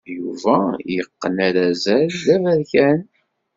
Yuba yeqqen arazal d aberkan.